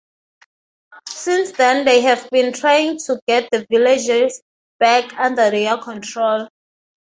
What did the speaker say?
Since then they have been trying to get the villages back under their control.